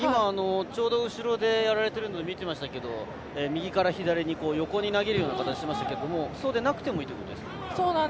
ちょうど後ろでやられているのを見ていましたけれども右から左に横に投げるような形でしたけどそうでなくてもいいということですか。